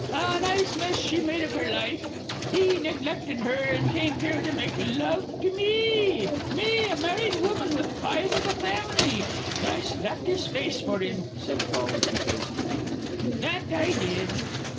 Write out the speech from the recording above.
A nice mess she made of her life. He neglected her, and came here to make love to me me, a married woman with five of a family. But I slapped his face for him," said Polly, complacently, "that I did."